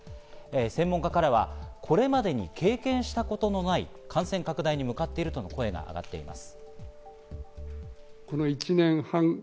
専門家からはこれまでに経験したことのない感染拡大に向かっているとの声が上がっています。